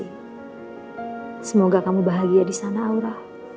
semoga kamu bahagia di sana aura